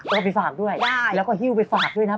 เขาไปฝากด้วยกับพี่อิ๋วไปฝากด้วยนะได้